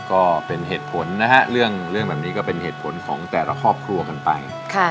ก็เป็นเหตุผลนะฮะเรื่องแบบนี้ก็เป็นเหตุผลของแต่ละครอบครัวกันไป